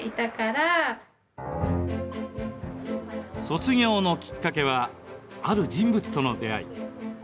卒業のきっかけはある人物との出会い。